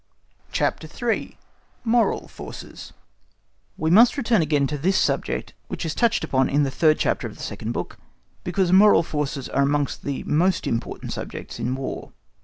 CHAPTER III. Moral Forces We must return again to this subject, which is touched upon in the third chapter of the second book, because the moral forces are amongst the most important subjects in War.